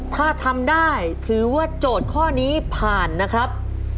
ถ้าทำได้ถือว่าโจทย์ข้อนี้ผ่านนะครับ